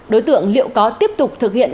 đối tượng liệu có tiếp tục thực hiện